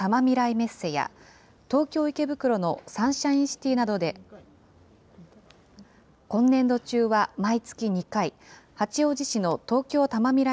メッセや、東京・池袋のサンシャインシティなどで、今年度中は毎月２回、八王子市の東京たま未来